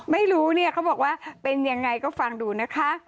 ไม่รู้เนี่ยเขาบอกว่าเป็นยังไงก็ฟังดูนะคะ